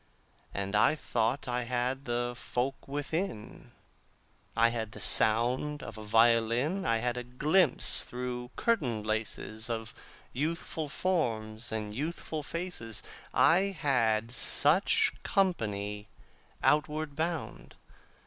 And I thought I had the folk within: I had the sound of a violin; I had a glimpse through curtain laces Of youthful forms and youthful faces. I had such company outward bound.